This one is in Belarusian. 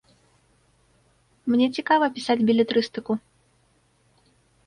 Мне цікава пісаць белетрыстыку.